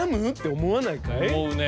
思うねえ。